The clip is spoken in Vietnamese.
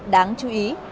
đáng chú ý